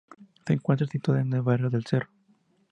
Se encuentra situada en el barrio de El Cerro.